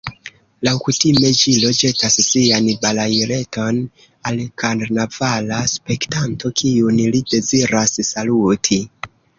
Laŭkutime ĵilo ĵetas sian balaileton al karnavala spektanto, kiun li deziras saluti.